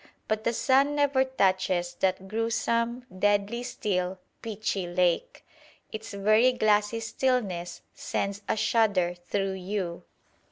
But the sun never touches that gruesome, deadly still, pitchy lake. Its very glassy stillness sends a shudder through you.